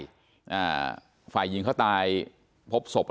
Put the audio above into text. แล้วก็ช่วยกันนำนายธีรวรรษส่งโรงพยาบาล